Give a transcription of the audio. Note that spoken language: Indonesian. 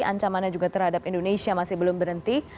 ancamannya juga terhadap indonesia masih belum berhenti